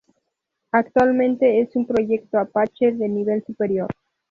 Actualmente es un proyecto Apache de nivel superior.